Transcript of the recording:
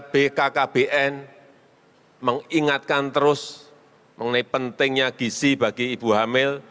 penyumbang stuntingnya gisi bagi ibu hamil